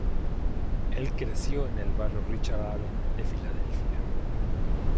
El creció en el barrio Richard Allen de Filadelfia.